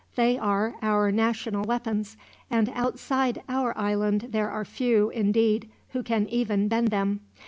They are our national weapons, and outside our island there are few, indeed, who can even bend them.